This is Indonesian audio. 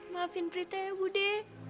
maafin prita ya budi